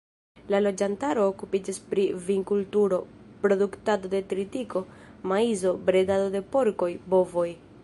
La loĝantaro okupiĝas pri vinkulturo, produktado de tritiko, maizo, bredado de porkoj, bovoj.